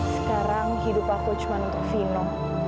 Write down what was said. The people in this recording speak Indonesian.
sekarang hidup aku cuma untuk vino